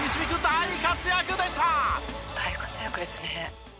「大活躍ですね」